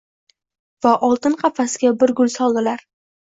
Va oltin qafasga bir gul soldilar.